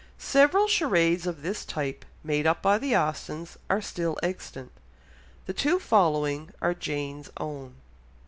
Several charades of this type made up by the Austens are still extant; the two following are Jane's own.